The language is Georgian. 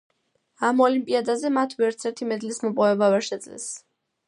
ამ ოლიმპიადაზე მათ ვერცერთი მედლის მოპოვება ვერ შეძლეს.